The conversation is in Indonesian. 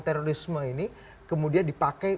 terorisme ini kemudian dipakai